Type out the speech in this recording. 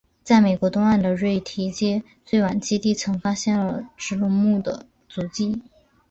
在美国东岸的瑞提阶最晚期地层发现了植龙目的足迹。